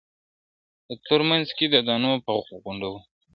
د تور منځ کي د دانو په غونډولو !.